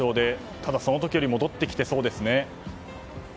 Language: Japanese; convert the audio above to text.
ただ、その時より戻ってきてそうですね。